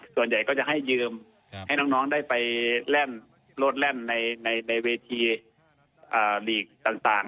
ส่วนใหญ่ก็จะให้ยืมให้น้องได้ไปเล่นโลดแล่นในเวทีลีกต่าง